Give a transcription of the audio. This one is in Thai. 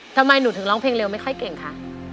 ทำไมหนูถึงร้องเพลงเร็วไม่ค่อยเก่งคะ